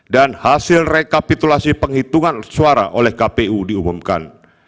dan hasil rekapitulasi penghitungan suara oleh kpu diubah